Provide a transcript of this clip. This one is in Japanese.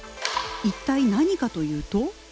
一体何かというと。